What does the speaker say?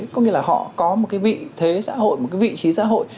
có nghĩa là họ có một vị thế xã hội một vị trí xã hội